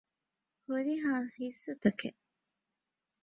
ހުރިހާ ހިއްސުތަކެއް